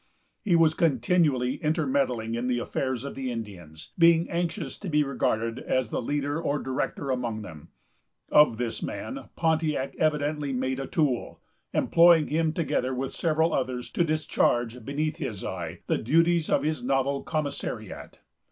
He was continually intermeddling in the affairs of the Indians, being anxious to be regarded as the leader or director among them. Of this man Pontiac evidently made a tool, employing him, together with several others, to discharge, beneath his eye, the duties of his novel commissariat.